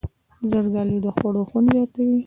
زردالو د خوړو خوند زیاتوي.